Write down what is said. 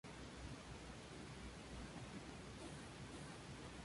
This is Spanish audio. Es la sede de la diócesis católica de Kaga-Bandoro.